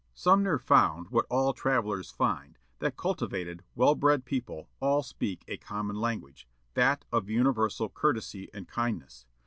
Sumner found, what all travellers find, that cultivated, well bred people all speak a common language, that of universal courtesy and kindness.